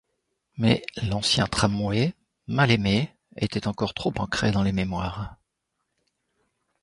Mais l'ancien tramway, mal aimé, était encore trop ancré dans les mémoires.